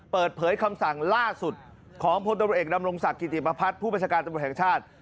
เปิดเผยคำสั่งล่าสุดของพศมตกิธีมภัพร์ผู้บัญชาการตำรวจแห่งชาติ